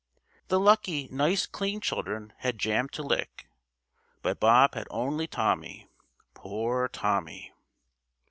The lucky nice clean children had jam to lick, but Bob had only Tommy. Poor Tommy!